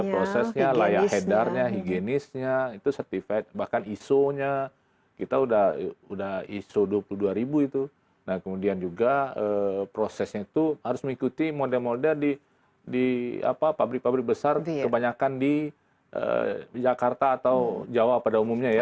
prosesnya layak edarnya higienisnya itu certified bahkan iso nya kita udah iso dua puluh dua ribu itu nah kemudian juga prosesnya itu harus mengikuti model model di pabrik pabrik besar kebanyakan di jakarta atau jawa pada umumnya ya